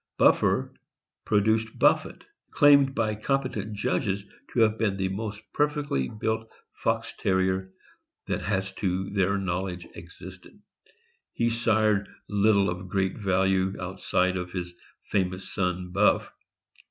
Buffer produced Buffet, claimed by competent judges to have been the most perfectly built Fox Terrier that has to their knowledge existed. He sired little of great value outside of his famous son Buff.